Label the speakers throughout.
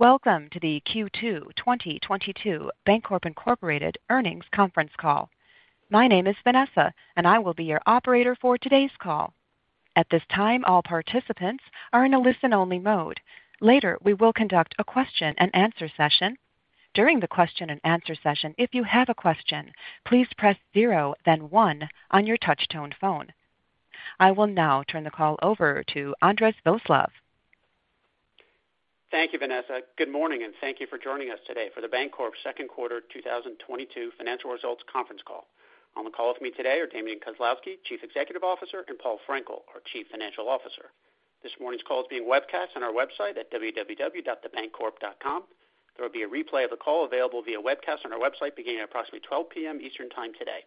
Speaker 1: Welcome to the Q2 2022 The Bancorp, Inc. Earnings Conference Call. My name is Vanessa, and I will be your operator for today's call. At this time, all participants are in a listen-only mode. Later, we will conduct a question-and-answer session. During the question-and-answer session, if you have a question, please press zero then one on your touchtone phone. I will now turn the call over to Andres Viroslav.
Speaker 2: Thank you, Vanessa. Good morning, and thank you for joining us today for The Bancorp second quarter 2022 financial results conference call. On the call with me today are Damian Kozlowski, Chief Executive Officer, and Paul Frenkiel, our Chief Financial Officer. This morning's call is being webcast on our website at www.thebancorp.com. There will be a replay of the call available via webcast on our website beginning at approximately 12 P.M. Eastern Time today.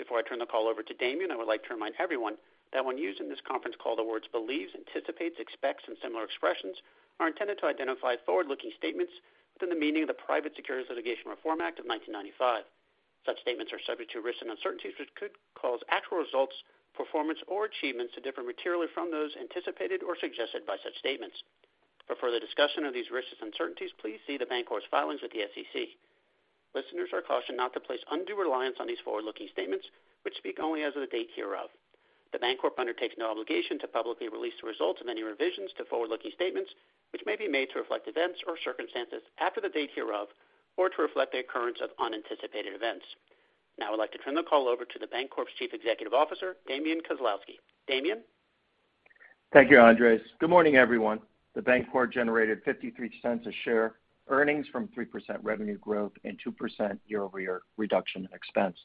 Speaker 2: Before I turn the call over to Damian, I would like to remind everyone that when used in this conference call, the words believes, anticipates, expects, and similar expressions are intended to identify forward-looking statements within the meaning of the Private Securities Litigation Reform Act of 1995. Such statements are subject to risks and uncertainties, which could cause actual results, performance, or achievements to differ materially from those anticipated or suggested by such statements. For further discussion of these risks and uncertainties, please see The Bancorp's filings with the SEC. Listeners are cautioned not to place undue reliance on these forward-looking statements, which speak only as of the date hereof. The Bancorp undertakes no obligation to publicly release the results of any revisions to forward-looking statements, which may be made to reflect events or circumstances after the date hereof or to reflect the occurrence of unanticipated events. Now I'd like to turn the call over to The Bancorp's Chief Executive Officer, Damian Kozlowski. Damian?
Speaker 3: Thank you, Andres. Good morning, everyone. The Bancorp generated $0.53 per share earnings from 3% revenue growth and 2% year-over-year reduction in expense.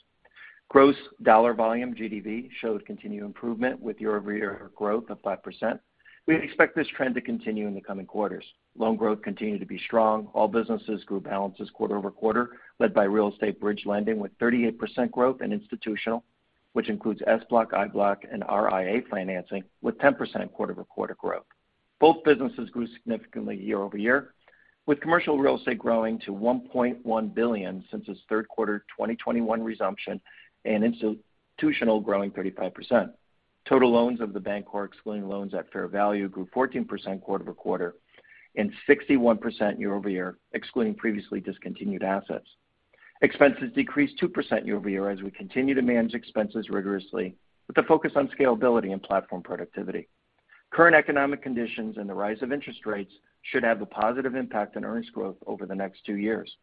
Speaker 3: Gross dollar volume, GDV, showed continued improvement with year-over-year growth of 5%. We expect this trend to continue in the coming quarters. Loan growth continued to be strong. All businesses grew balances quarter-over-quarter, led by real estate bridge lending with 38% growth in institutional, which includes SBLOC, IBLOC, and RIA financing with 10% quarter-over-quarter growth. Both businesses grew significantly year-over-year, with commercial real estate growing to $1.1 billion since its third quarter 2021 resumption and institutional growing 35%. Total loans of The Bancorp excluding loans at fair value grew 14% quarter-over-quarter and 61% year-over-year, excluding previously discontinued assets. Expenses decreased 2% year-over-year as we continue to manage expenses rigorously, with a focus on scalability and platform productivity. Current economic conditions and the rise of interest rates should have a positive impact on earnings growth over the next two years.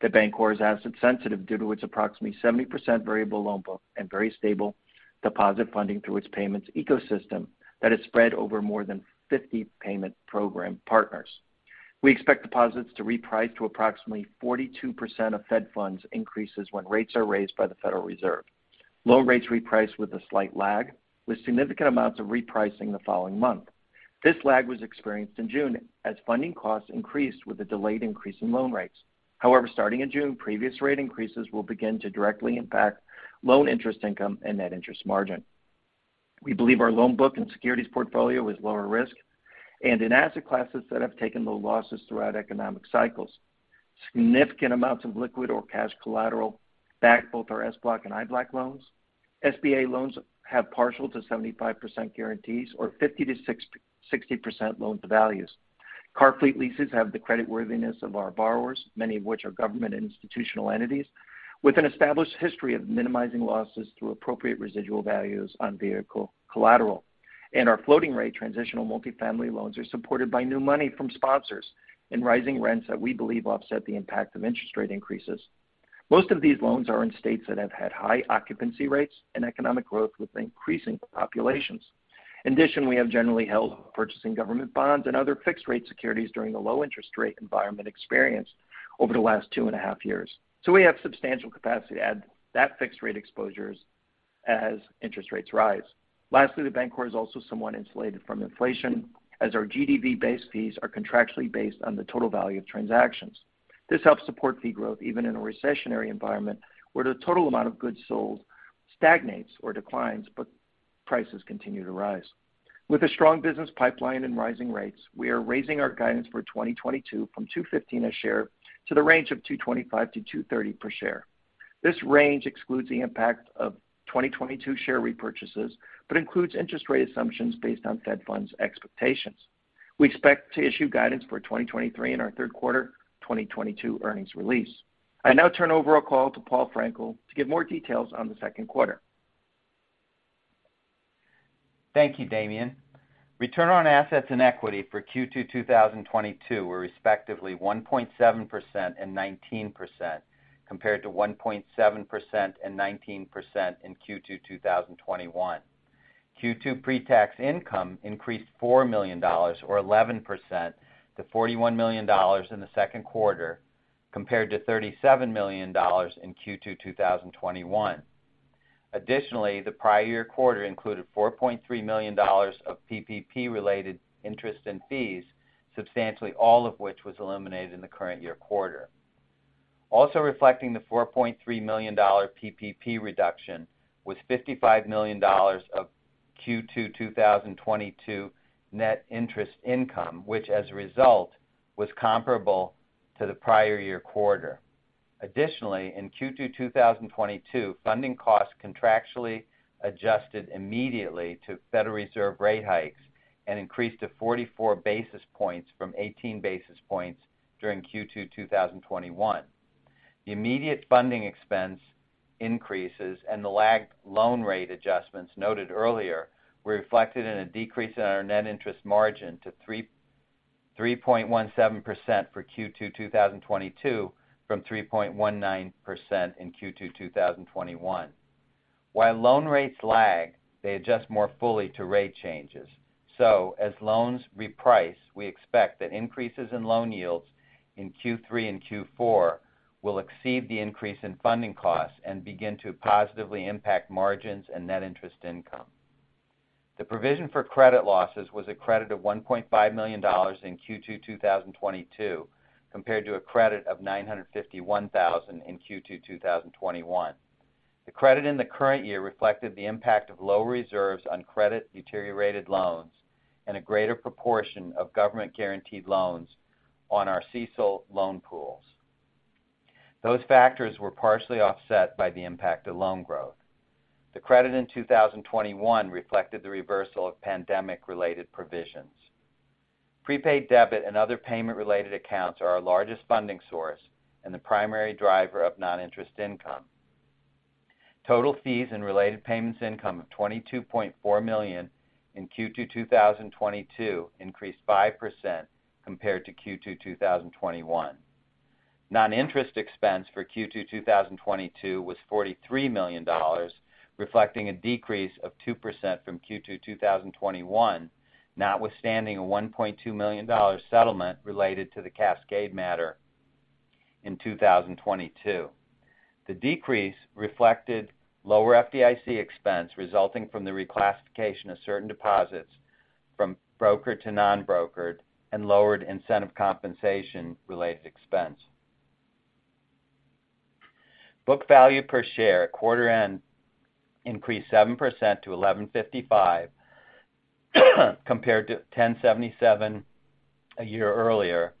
Speaker 3: The Bancorp is asset sensitive due to its approximately 70% variable loan book and very stable deposit funding through its payments ecosystem that is spread over more than 50 payment program partners. We expect deposits to reprice to approximately 42% of Fed Funds increases when rates are raised by the Federal Reserve. Loan rates reprice with a slight lag, with significant amounts of repricing the following month. This lag was experienced in June as funding costs increased with a delayed increase in loan rates. However, starting in June, previous rate increases will begin to directly impact loan interest income and net interest margin. We believe our loan book and securities portfolio is lower risk and in asset classes that have taken low losses throughout economic cycles. Significant amounts of liquid or cash collateral back both our SBLOC and IBLOC loans. SBA loans have partial to 75% guarantees or 50%-60% loan to values. Car fleet leases have the creditworthiness of our borrowers, many of which are government institutional entities with an established history of minimizing losses through appropriate residual values on vehicle collateral. Our floating-rate transitional multifamily loans are supported by new money from sponsors and rising rents that we believe offset the impact of interest rate increases. Most of these loans are in states that have had high occupancy rates and economic growth with increasing populations. In addition, we have generally held off purchasing government bonds and other fixed-rate securities during the low interest rate environment experienced over the last 2.5 years. We have substantial capacity to add to that fixed-rate exposures as interest rates rise. Lastly, The Bancorp is also somewhat insulated from inflation as our GDV-based fees are contractually based on the total value of transactions. This helps support fee growth even in a recessionary environment where the total amount of goods sold stagnates or declines, but prices continue to rise. With a strong business pipeline and rising rates, we are raising our guidance for 2022 from $2.15 a share to the range of $2.25-$2.30 per share. This range excludes the impact of 2022 share repurchases but includes interest rate assumptions based on Fed Funds expectations. We expect to issue guidance for 2023 in our third quarter 2022 earnings release. I now turn over our call to Paul Frenkiel to give more details on the second quarter.
Speaker 4: Thank you, Damian. Return on assets and equity for Q2 2022 were respectively 1.7% and 19%, compared to 1.7% and 19% in Q2 2021. Q2 pre-tax income increased $4 million or 11% to $41 million in the second quarter, compared to $37 million in Q2 2021. Additionally, the prior year quarter included $4.3 million of PPP-related interest and fees, substantially all of which was eliminated in the current year quarter. Also reflecting the $4.3 million PPP reduction was $55 million of Q2 2022 net interest income, which as a result was comparable to the prior year quarter. Additionally, in Q2 2022, funding costs contractually adjusted immediately to Federal Reserve rate hikes and increased to 44 basis points from 18 basis points during Q2 2021. The immediate funding expense increases and the lagged loan rate adjustments noted earlier were reflected in a decrease in our net interest margin to 3.17% for Q2 2022 from 3.19% in Q2 2021. While loan rates lag, they adjust more fully to rate changes. As loans reprice, we expect that increases in loan yields in Q3 and Q4 will exceed the increase in funding costs and begin to positively impact margins and net interest income. The provision for credit losses was a credit of $1.5 million in Q2 2022, compared to a credit of $951, 000 in Q2 2021. The credit in the current year reflected the impact of low reserves on credit deteriorated loans and a greater proportion of government guaranteed loans on our CECL loan pools. Those factors were partially offset by the impact of loan growth. The credit in 2021 reflected the reversal of pandemic-related provisions. Prepaid debit and other payment-related accounts are our largest funding source and the primary driver of non-interest income. Total fees and related payments income of $22.4 million in Q2 2022 increased 5% compared to Q2 2021. Non-interest expense for Q2 2022 was $43 million, reflecting a decrease of 2% from Q2 2021, notwithstanding a $1.2 million settlement related to the Cascade matter in 2022. The decrease reflected lower FDIC expense resulting from the reclassification of certain deposits from broker to non-brokered and lowered incentive compensation-related expense. Book value per share at quarter end increased 7% to $11.55 compared to $10.77 a year earlier,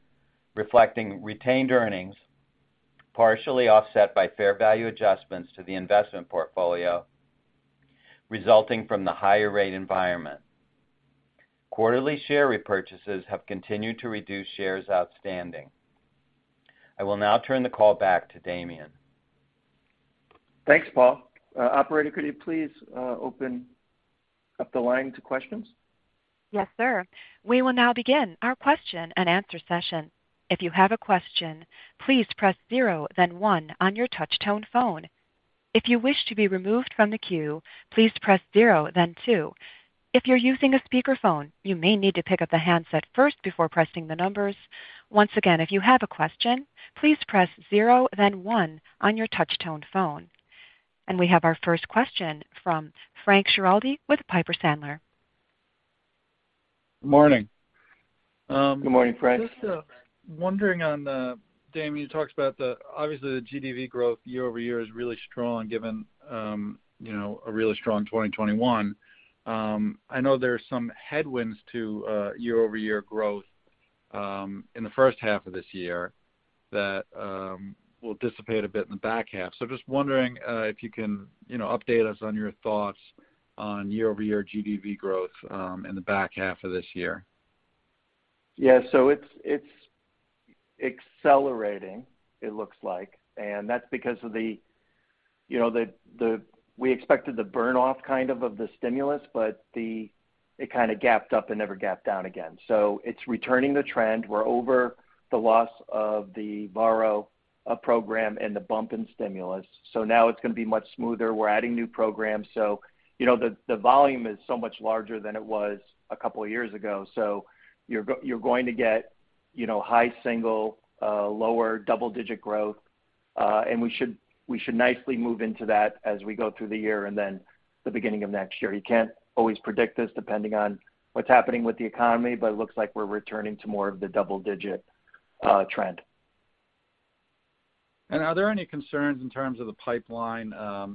Speaker 4: reflecting retained earnings partially offset by fair value adjustments to the investment portfolio resulting from the higher rate environment. Quarterly share repurchases have continued to reduce shares outstanding. I will now turn the call back to Damian.
Speaker 3: Thanks, Paul. Operator, could you please open up the line to questions?
Speaker 1: Yes, sir. We will now begin our question-and-answer session. If you have a question, please press zero, then one on your touch tone phone. If you wish to be removed from the queue, please press zero then two. If you're using a speakerphone, you may need to pick up the handset first before pressing the numbers. Once again, if you have a question, please press zero then one on your touch tone phone. We have our first question from Frank Schiraldi with Piper Sandler.
Speaker 5: Morning.
Speaker 3: Good morning, Frank.
Speaker 5: Just wondering, Damian, you talked about the obviously the GDV growth year-over-year is really strong given, you know, a really strong 2021. I know there are some headwinds to year-over-year growth in the first half of this year that will dissipate a bit in the back half. Just wondering if you can, you know, update us on your thoughts on year-over-year GDV growth in the back half of this year.
Speaker 3: Yeah. It's accelerating, it looks like. That's because of the, you know, we expected the burn off kind of the stimulus, but it kind of gapped up and never gapped down again. It's returning the trend. We're over the loss of the Borrow program and the bump in stimulus. Now it's gonna be much smoother. We're adding new programs. You know, the volume is so much larger than it was a couple of years ago. You're going to get, you know, high single, lower double-digit growth. We should nicely move into that as we go through the year and then the beginning of next year. You can't always predict this depending on what's happening with the economy, but it looks like we're returning to more of the double-digit trend.
Speaker 5: Are there any concerns in terms of the pipeline,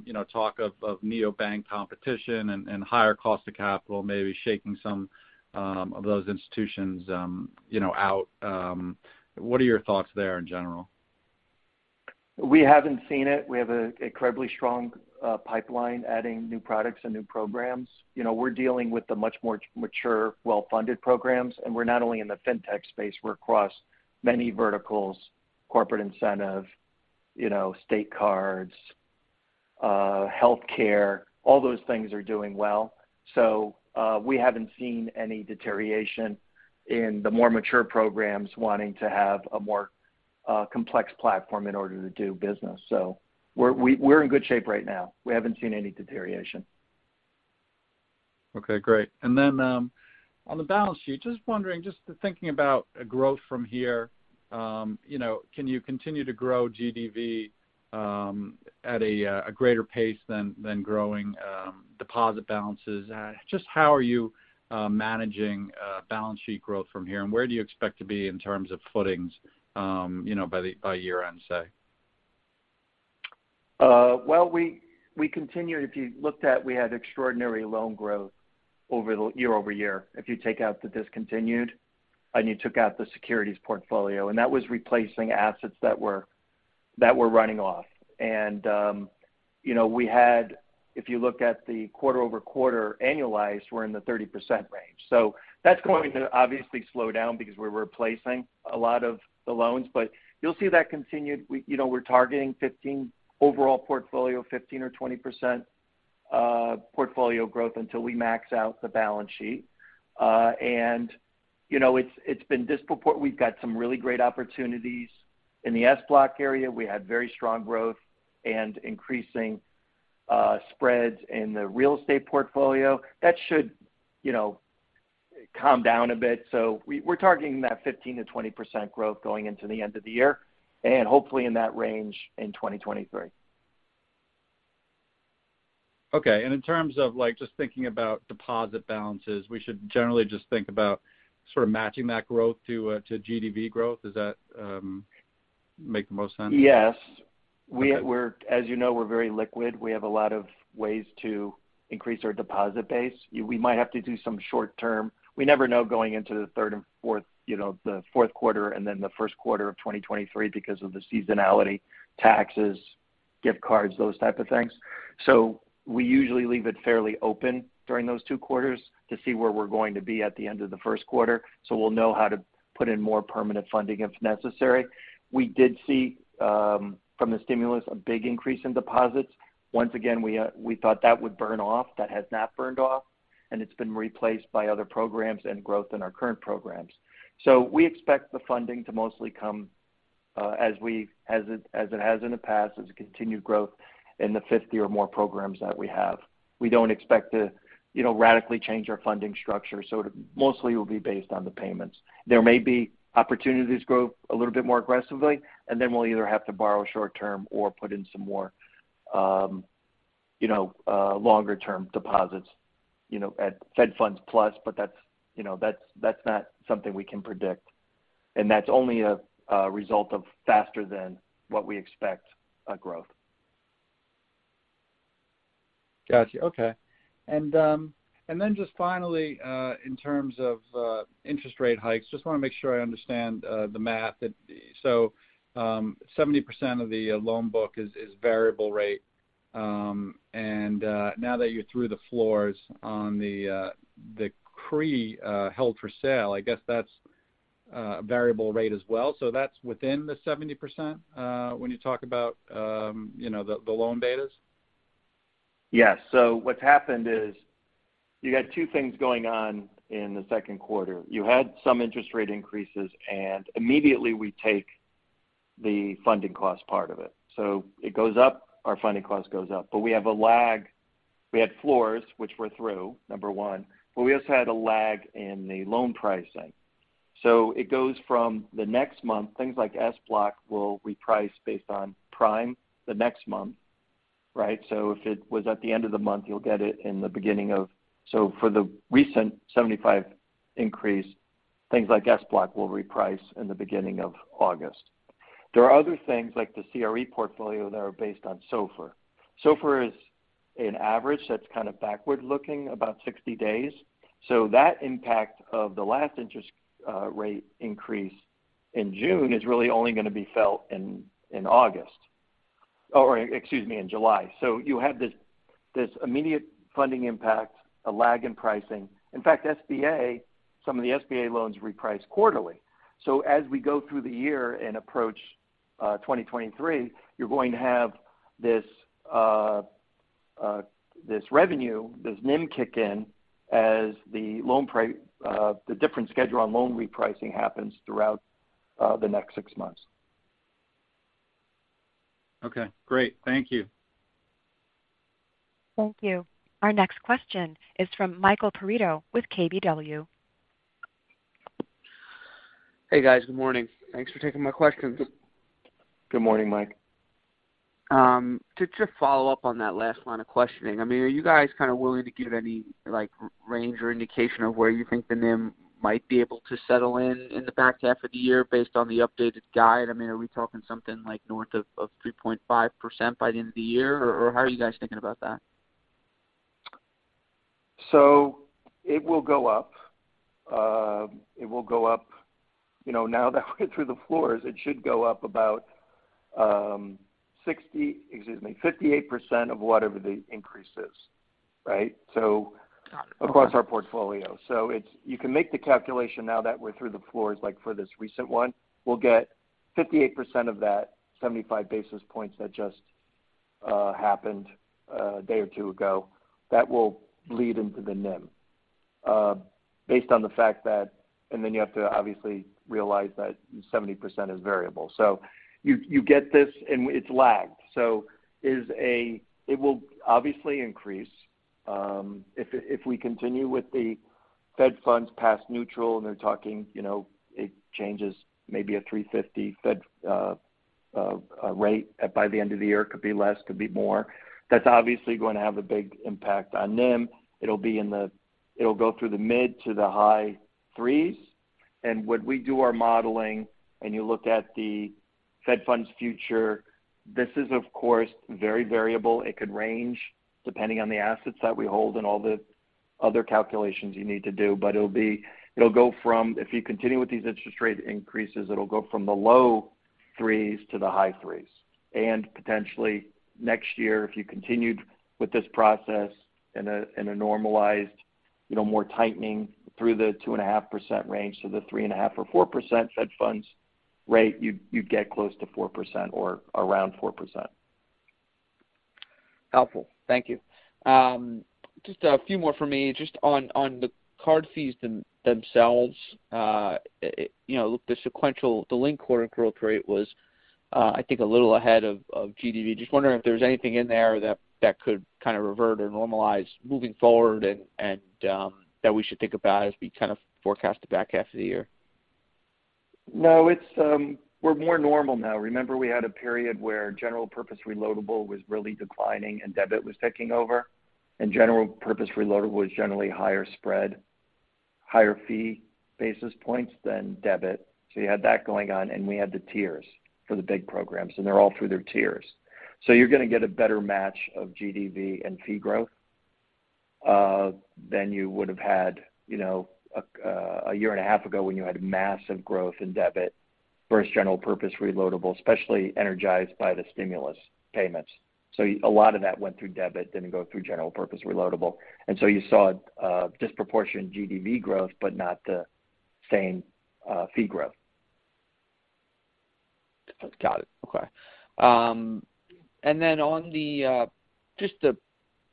Speaker 5: you know, talk of neobank competition and higher cost of capital maybe shaking some of those institutions, you know, out? What are your thoughts there in general?
Speaker 3: We haven't seen it. We have an incredibly strong pipeline adding new products and new programs. You know, we're dealing with the much more mature, well-funded programs. We're not only in the FinTech space, we're across many verticals, corporate incentive, you know, state cards, healthcare, all those things are doing well. We haven't seen any deterioration in the more mature programs wanting to have a more complex platform in order to do business. We're in good shape right now. We haven't seen any deterioration.
Speaker 5: Okay, great. On the balance sheet, just wondering, just thinking about a growth from here, you know, can you continue to grow GDV at a greater pace than growing deposit balances? Just how are you managing balance sheet growth from here, and where do you expect to be in terms of footings, you know, by year-end, say?
Speaker 3: Well, we continue. If you looked at, we had extraordinary loan growth over the year-over-year. If you take out the discontinued and you took out the securities portfolio, and that was replacing assets that were running off. You know, we had. If you look at the quarter-over-quarter annualized, we're in the 30% range. That's going to obviously slow down because we're replacing a lot of the loans. You'll see that continued. We, you know, we're targeting fifteen overall portfolio, 15% or 20%, portfolio growth until we max out the balance sheet. You know, it's been disproportionate. We've got some really great opportunities. In the SBLOC area, we had very strong growth and increasing spreads in the real estate portfolio. That should, you know, calm down a bit. We're targeting that 15%-20% growth going into the end of the year and hopefully in that range in 2023.
Speaker 5: Okay. In terms of, like, just thinking about deposit balances, we should generally just think about sort of matching that growth to GDV growth. Does that make the most sense?
Speaker 3: Yes.
Speaker 5: Okay.
Speaker 3: As you know, we're very liquid. We have a lot of ways to increase our deposit base. We might have to do some short term. We never know going into the third and fourth, you know, the fourth quarter and then the first quarter of 2023 because of the seasonality, taxes, gift cards, those type of things. We usually leave it fairly open during those two quarters to see where we're going to be at the end of the first quarter. So we'll know how to put in more permanent funding if necessary. We did see from the stimulus, a big increase in deposits. Once again, we thought that would burn off. That has not burned off, and it's been replaced by other programs and growth in our current programs. We expect the funding to mostly come, as it has in the past, as a continued growth in the 50 or more programs that we have. We don't expect to, you know, radically change our funding structure, so it mostly will be based on the payments. There may be opportunities to grow a little bit more aggressively, and then we'll either have to borrow short-term or put in some more, you know, longer-term deposits, you know, at Fed Funds plus. That's, you know, not something we can predict. That's only a result of faster than what we expect growth.
Speaker 5: Got you. Okay. Then just finally, in terms of interest rate hikes, just wanna make sure I understand the math. 70% of the loan book is variable rate. Now that you're through the floors on the CRE held for sale, I guess that's a variable rate as well. That's within the 70%, when you talk about you know, the loan betas?
Speaker 3: Yes. What's happened is you got two things going on in the second quarter. You had some interest rate increases, and immediately we take the funding cost part of it. It goes up, our funding cost goes up. We have a lag. We had floors, which we're through, number one, but we also had a lag in the loan pricing. It goes from the next month. Things like SBLOC will reprice based on prime the next month, right? If it was at the end of the month, you'll get it in the beginning of August. For the recent 75 increase, things like SBLOC will reprice in the beginning of August. There are other things like the CRE portfolio that are based on SOFR. SOFR is an average that's kind of backward-looking, about 60 days. That impact of the last interest rate increase in June is really only gonna be felt in August. Or, excuse me, in July. You have this immediate funding impact, a lag in pricing. In fact, SBA, some of the SBA loans reprice quarterly. As we go through the year and approach 2023, you're going to have this revenue, this NIM kick in as the different schedule on loan repricing happens throughout the next six months.
Speaker 5: Okay, great. Thank you.
Speaker 1: Thank you. Our next question is from Michael Perito with KBW.
Speaker 6: Hey, guys. Good morning. Thanks for taking my questions.
Speaker 3: Good morning, Mike.
Speaker 6: To follow up on that last line of questioning. I mean, are you guys kind of willing to give any, like, range or indication of where you think the NIM might be able to settle in the back half of the year based on the updated guide? I mean, are we talking something like north of 3.5% by the end of the year? Or, how are you guys thinking about that?
Speaker 3: It will go up. You know, now that we're through the floors, it should go up about 58% of whatever the increase is, right?
Speaker 6: Got it.
Speaker 3: Across our portfolio. You can make the calculation now that we're through the floors, like for this recent one. We'll get 58% of that 75 basis points that just happened a day or two ago. That will bleed into the NIM based on the fact that. You have to obviously realize that 70% is variable. You get this, and it's lagged. It will obviously increase. If we continue with the Fed Funds past neutral and they're talking, you know, it changes maybe a 3.50 Fed rate by the end of the year, could be less, could be more, that's obviously going to have a big impact on NIM. It'll go through the mid- to high-3s. When we do our modeling and you look at the Fed Funds future, this is of course very variable. It could range depending on the assets that we hold and all the other calculations you need to do. If you continue with these interest rate increases, it'll go from the low-3s to the high-3s. Potentially next year, if you continued with this process in a normalized, you know, more tightening through the 2.5% range to the 3.5% or 4% Fed Funds rate, you'd get close to 4% or around 4%.
Speaker 6: Helpful. Thank you. Just a few more from me. Just on the card fees themselves. You know, the sequential, the linked quarter growth rate was, I think a little ahead of GDV. Just wondering if there's anything in there that could kind of revert or normalize moving forward and that we should think about as we kind of forecast the back half of the year.
Speaker 3: No, it's. We're more normal now. Remember, we had a period where general purpose reloadable was really declining, and debit was taking over, and general purpose reloadable was generally higher spread, higher fee basis points than debit. You had that going on, and we had the tiers for the big programs, and they're all through their tiers. You're gonna get a better match of GDV and fee growth than you would have had, you know, a year and a half ago when you had massive growth in debit versus general purpose reloadable, especially energized by the stimulus payments. A lot of that went through debit, didn't go through general purpose reloadable, and so you saw disproportionate GDV growth, but not the same fee growth.
Speaker 6: Got it. Okay. On the just the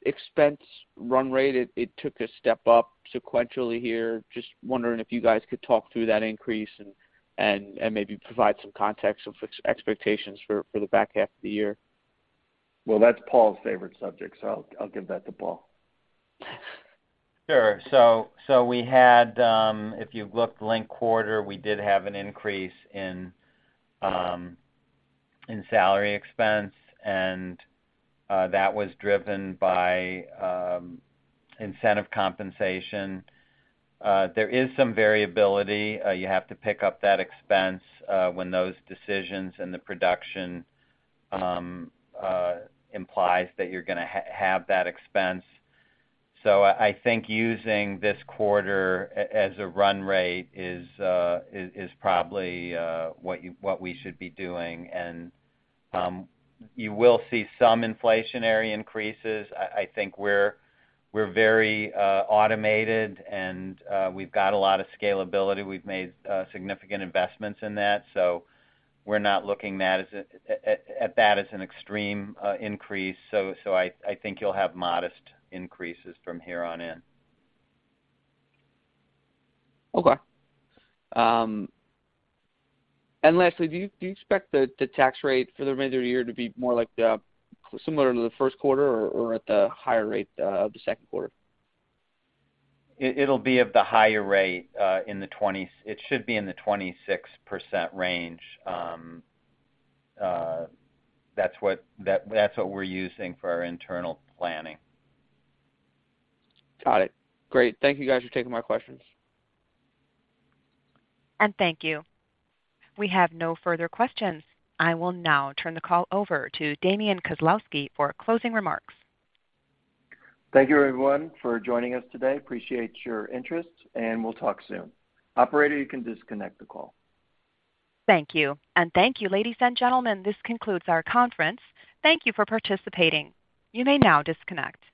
Speaker 6: expense run rate, it took a step up sequentially here. Just wondering if you guys could talk through that increase and maybe provide some context of expectations for the back half of the year.
Speaker 3: Well, that's Paul's favorite subject, so I'll give that to Paul.
Speaker 4: Sure. We had, if you've looked linked quarter, we did have an increase in salary expense, and that was driven by incentive compensation. There is some variability. You have to pick up that expense when those decisions and the production implies that you're gonna have that expense. I think using this quarter as a run rate is probably what we should be doing. You will see some inflationary increases. I think we're very automated and we've got a lot of scalability. We've made significant investments in that, so we're not looking at that as an extreme increase. I think you'll have modest increases from here on in.
Speaker 6: Okay. Lastly, do you expect the tax rate for the remainder of the year to be more like similar to the first quarter or at the higher rate of the second quarter?
Speaker 4: It'll be at the higher rate in the 26% range. That's what we're using for our internal planning.
Speaker 6: Got it. Great. Thank you guys for taking my questions.
Speaker 1: Thank you. We have no further questions. I will now turn the call over to Damian Kozlowski for closing remarks.
Speaker 3: Thank you everyone for joining us today. Appreciate your interest, and we'll talk soon. Operator, you can disconnect the call.
Speaker 1: Thank you. Thank you, ladies and gentlemen. This concludes our conference. Thank you for participating. You may now disconnect.